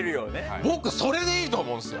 僕、それでいいと思うんですよ。